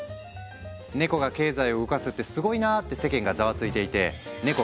ネコが経済を動かすってすごいなって世間がざわついていてネコ